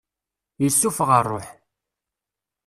Yessuffeɣ rruḥ.